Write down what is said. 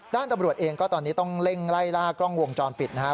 ตำรวจเองก็ตอนนี้ต้องเร่งไล่ล่ากล้องวงจรปิดนะครับ